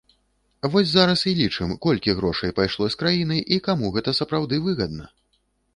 Вось зараз лічым, колькі грошай пайшло з краіны і каму гэта сапраўды выгадна!